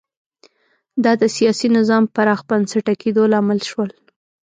دا د سیاسي نظام پراخ بنسټه کېدو لامل شول